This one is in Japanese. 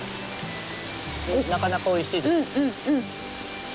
なかなかおいしいです。